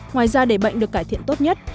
ngoài ra để bệnh được cải thiện tốt nhất